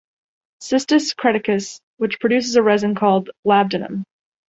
Cistus creticus, which produces a resin called labdanum.